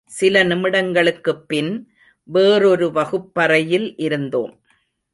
சில நிமிடங்களுக்குப் பின், வேறொரு வகுப்பறையில் இருந்தோம்.